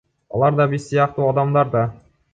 Алар да биз сыяктуу адамдар да.